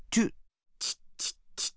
チッチッチッチッ。